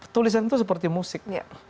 tulisan itu seperti musik